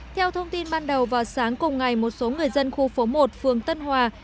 theo thông tin ban đầu vào sáng cùng ngày một số người dân khu phố một phường tân hòa